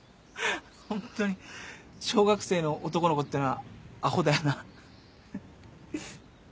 ホントに小学生の男の子ってのはアホだよな。